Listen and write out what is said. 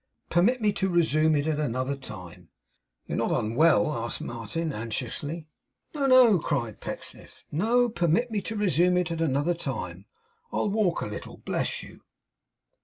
Permit me to resume it at another time.' 'You are not unwell?' asked Martin anxiously. 'No, no!' cried Pecksniff. 'No. Permit me to resume it at another time. I'll walk a little. Bless you!